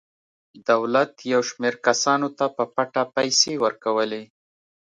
دولت یو شمېر کسانو ته په پټه پیسې ورکولې.